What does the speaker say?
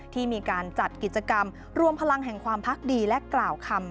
ที่มีการจัดกิจกรรมรวมพลังแห่งความพักดีและกล่าวคำ